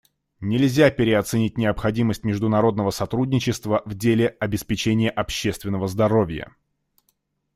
Нельзя переоценить необходимость международного сотрудничества в деле обеспечения общественного здоровья.